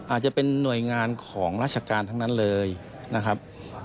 อาจจะเป็นหน่วยงานของราชการทั้งนั้นเลยนะครับ